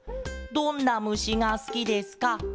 「どんなむしがすきですか？